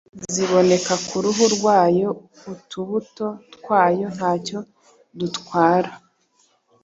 ziboneka ku ruhu rwayo. Utubuto twayo ntacyo dutwara